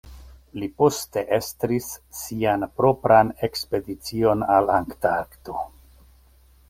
Li poste estris sian propran ekspedicion al Antarkto.